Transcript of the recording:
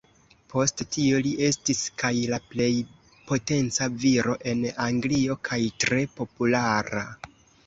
Post tio li estis kaj la plej potenca viro en Anglio kaj tre populara.